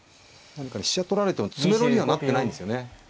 飛車取られても詰めろにはなってないんですよね